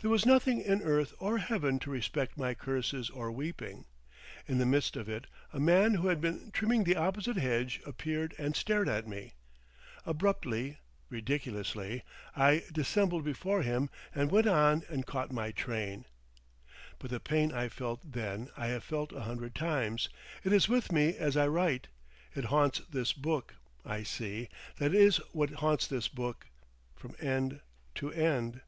There was nothing in earth or heaven to respect my curses or weeping. In the midst of it a man who had been trimming the opposite hedge appeared and stared at me. Abruptly, ridiculously, I dissembled before him and went on and caught my train.... But the pain I felt then I have felt a hundred times; it is with me as I write. It haunts this book, I see, that is what haunts this book, from end to end.